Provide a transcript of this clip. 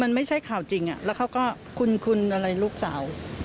มันไม่ใช่ข่าวจริงแล้วเขาก็คุ้นอะไรลูกสาว